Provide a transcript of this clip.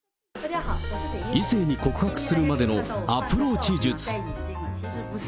異性に告白するまでのアプローチ術。